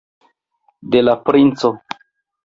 de la princo.